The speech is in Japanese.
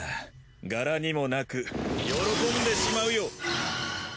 柄にもなく喜んでしまうよ。